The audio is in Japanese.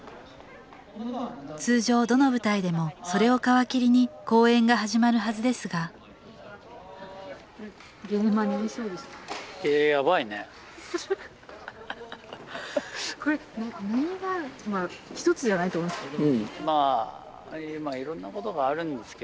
通常どの舞台でもそれを皮切りに公演が始まるはずですがまあ１つではないと思うんですけど。